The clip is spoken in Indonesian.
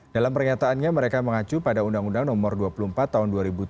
dalam pernyataannya mereka mengacu pada undang undang no dua puluh empat tahun dua ribu tujuh